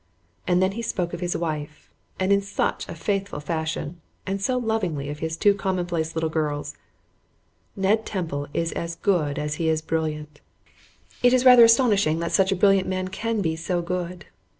And then he spoke of his wife, and in such a faithful fashion, and so lovingly of his two commonplace little girls. Ned Temple is as good as he is brilliant. It is really rather astonishing that such a brilliant man can be so good.